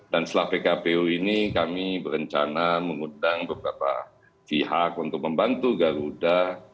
dan setelah pkpu ini kami berencana mengundang beberapa pihak untuk membantu garuda